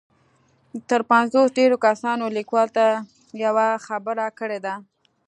تر پنځوس ډېرو کسانو ليکوال ته يوه خبره کړې ده.